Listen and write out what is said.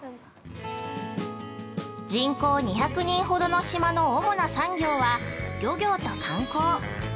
◆人口２００人ほどの島の主な産業は、漁業と観光。